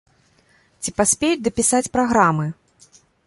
Ці паспеюць дапісаць праграмы?